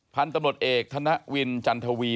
พันธุ์ตำรวจเอกธนวินจันทวี